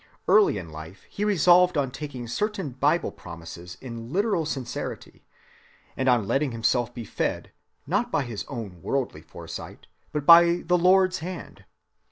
Early in life he resolved on taking certain Bible promises in literal sincerity, and on letting himself be fed, not by his own worldly foresight, but by the Lord's hand.